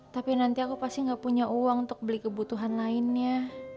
tapi nanti aku pasti gak punya uang untuk beli kebutuhan lainnya